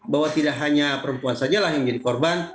bahwa tidak hanya perempuan sajalah yang menjadi korban